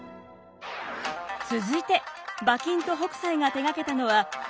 続いて馬琴と北斎が手がけたのはすると。